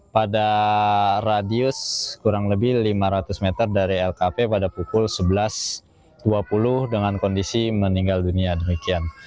pada radius kurang lebih lima ratus meter dari lkp pada pukul sebelas dua puluh dengan kondisi meninggal dunia demikian